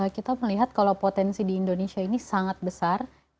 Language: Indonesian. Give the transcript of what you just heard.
kita melihat kalau potensi di indonesia ini sangat besar